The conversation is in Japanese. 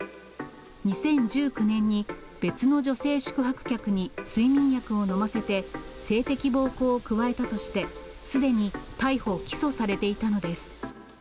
２０１９年に、別の女性宿泊客に睡眠薬を飲ませて性的暴行を加えたとして、すでに逮捕・起訴されていたのです。